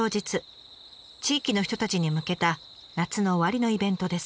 地域の人たちに向けた夏の終わりのイベントです。